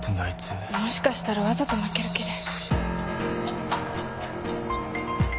もしかしたらわざと負ける気で。